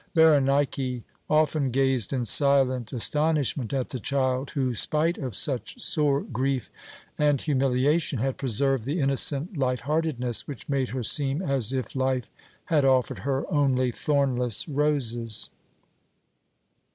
Berenike often gazed in silent astonishment at the child, who, spite of such sore grief and humiliation, had preserved the innocent light heartedness which made her seem as if life had offered her only thornless roses.